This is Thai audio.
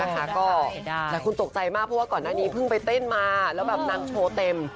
ก็หลายคนตกใจมากเพราะว่าก่อนหน้านี้เพิ่งไปเต้นมาแล้วแบบนางโชว์เต็ม